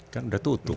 kan sudah tutup